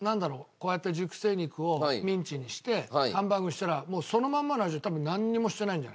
こうやって熟成肉をミンチにしてハンバーグにしたらもうそのまんまの味で多分なんにもしてないんじゃない。